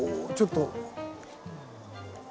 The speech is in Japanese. ちょっと。